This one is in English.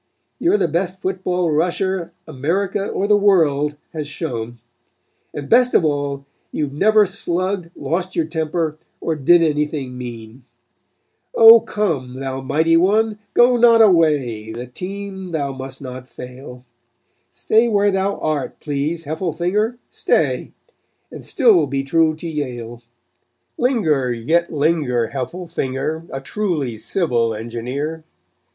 You're the best football rusher America, or the world, has shown; And best of all you never slugged, lost your temper or did anything mean; Oh come thou mighty one, go not away, The team thou must not fail: Stay where thou art, please, Heffelfinger, stay, And still be true to Yale Linger, yet linger, Heffelfinger, a truly civil engineer.